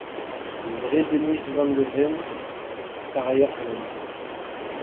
Le vrai Dennis van de Ven est par ailleurs son ami.